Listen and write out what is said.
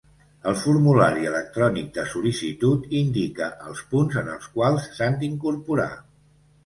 El formulari electrònic de sol·licitud indica els punts en els quals s'han d'incorporar.